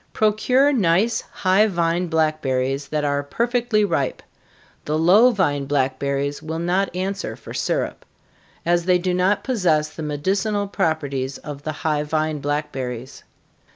_ Procure nice, high vine blackberries, that are perfectly ripe the low vine blackberries will not answer for syrup, as they do not possess the medicinal properties of the high vine blackberries.